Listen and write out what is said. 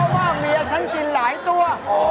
ว่าเมียฉันกินหลายตัว